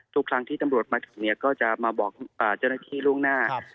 ทุกครั้งที่ตำรวจมาถึงเนี่ยก็จะมาบอกเจ้าหน้าที่ล่วงหน้า